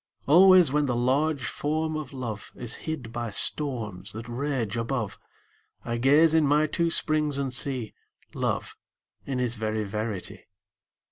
Always when the large Form of Love Is hid by storms that rage above, I gaze in my two springs and see Love in his very verity.